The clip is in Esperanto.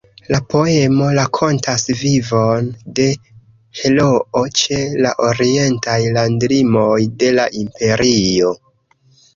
La poemo rakontas vivon de heroo ĉe la orientaj landlimoj de la Imperio.